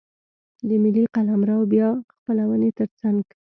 د ملي قلمرو بیا خپلونې ترڅنګ.